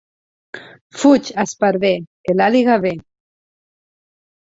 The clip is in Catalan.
Fuig esparver, que l'àliga ve.